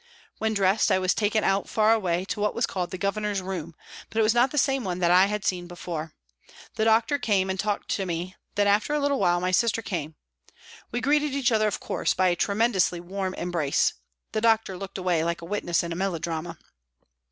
When dressed I was taken out far 294 PRISONS AND PRISONERS away to what was called " the Governor's room," but it was not the same one that I had seen before. The doctor came and talked to me, then after a little while my sister came. We greeted each other, of course, by a tremendously warm embrace. The doctor looked away like a witness in a melodrama.